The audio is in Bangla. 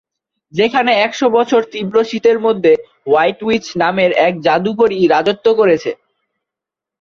যেখানে একশ বছর ধরে তীব্র শীতের মধ্যে হোয়াইট উইচ নামের এক জাদুকরী রাজত্ব করছে।